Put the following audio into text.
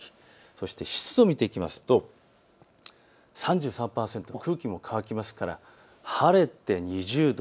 そして湿度、見ていきますと３３％、空気も乾きますから晴れて２０度。